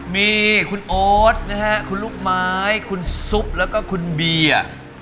มีคุณโอ๊ตนะฮะคุณลูกไม้คุณซุปแล้วก็คุณเบียร์